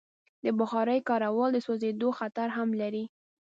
د بخارۍ کارول د سوځېدو خطر هم لري.